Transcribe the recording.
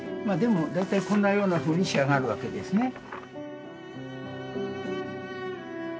まあでも大体こんなようなふうに仕上がるわけですね。